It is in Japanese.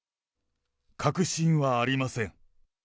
確信はありません。